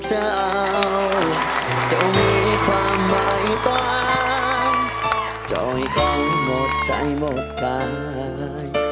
เจ้าให้ต้องหมดใจหมดกาย